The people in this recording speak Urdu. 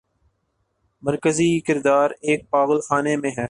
مرکزی کردار ایک پاگل خانے میں ہے۔